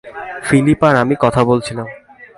Philip আর আমি কথা বলছিলাম।